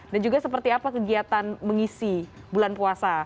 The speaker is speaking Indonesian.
dan juga seperti apa kegiatan mengisi bulan puasa